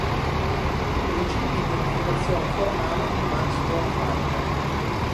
I principi di unificazione formale di Max Wertheimer